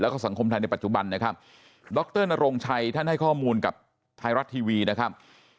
แล้วก็สังคมไทยในปัจจุบันนะครับดรนโรงชัยท่านให้ข้อมูลกับไทยรัฐทีวีนะครับ